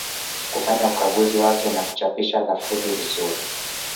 Kufanya ukaguzi wake na kuchapisha lafudhi vizuri